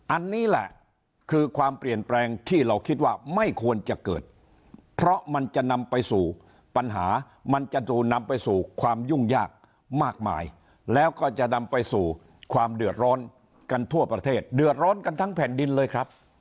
อันนี้แหละคือความเปลี่ยนแปลงที่เราคิดว่าไม่ควรจะเกิดเพราะมันจะนำไปสู่ปัญหามันจะถูกนำไปสู่ความยุ่งยากมากมายแล้วก็จะนำไปสู่ความเดือดร้อนกันทั่วประเทศเดือดร้อนกันทั้งแผ่นดินเลยครับ